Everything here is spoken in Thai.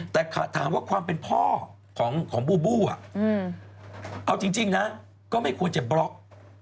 แต่ถามว่าความเป็นพ่อของบูบูเอาจริงนะก็ไม่ควรจะบล็อก